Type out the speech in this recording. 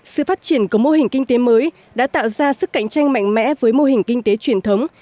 sự phát triển của mô hình kinh tế mới đã tạo ra sức cạnh tranh mạnh mẽ với mô hình kinh tế truyền thống